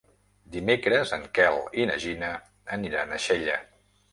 Dimecres en Quel i na Gina aniran a Xella.